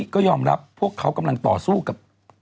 ก็ยอมรับพวกเขากำลังต่อสู้กับ